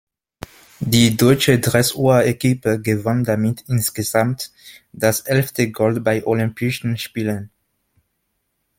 Die deutsche Dressur-Equipe gewann damit insgesamt das elfte Gold bei Olympischen Spielen.